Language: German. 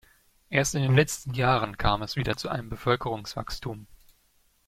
Erst in den letzten Jahren kam es wieder zu einem Bevölkerungswachstum.